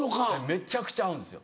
めちゃくちゃ合うんですよ。